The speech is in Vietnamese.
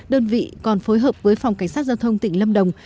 đơn vị còn phối hợp với phòng cảnh sát giao thông tỉnh lâm đồng